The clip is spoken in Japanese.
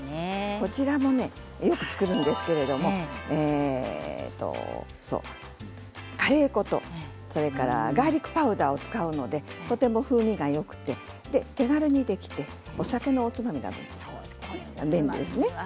こちらもよく作るんですけれどカレー粉とガーリックパウダーを使うので、とても風味がよくて手軽にできてお酒のおつまみにも便利ですね。